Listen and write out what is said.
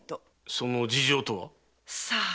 その事情とは？さあ？